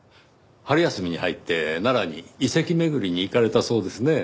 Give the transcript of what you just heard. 春休みに入って奈良に遺跡巡りに行かれたそうですねぇ。